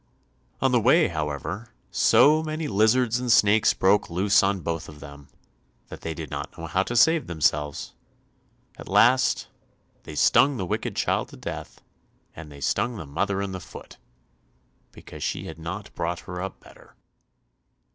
On the way, however, so many lizards and snakes broke loose on both of them, that they did not know how to save themselves. At last they stung the wicked child to death, and they stung the mother in the foot, because she had not brought her up better.